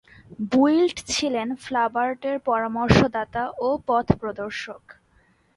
Built ছিলেন ফ্লাবার্টের পরামর্শদাতা ও পথপ্রদর্শক।